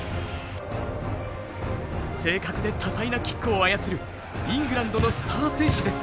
正確で多彩なキックを操るイングランドのスター選手です。